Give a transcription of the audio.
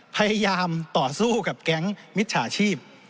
พยายามต่อสู้กับแก๊งมิจฉาชีพ